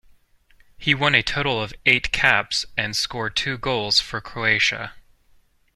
He won a total of eight caps and scored two goals for Croatia.